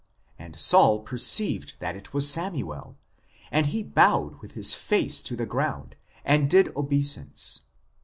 And Saul perceived that it was Samuel, and he bowed with his face to the ground, and did obeisance.